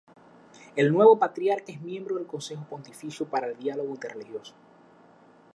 El nuevo patriarca es miembro del Consejo Pontificio para el Diálogo Interreligioso.